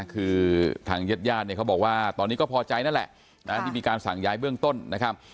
คือทางญาติญาติเนี่ยเขาบอกว่าตอนนี้ก็พอใจนั่นแหละที่มีการสั่งย้ายเบื้องต้นนะครับ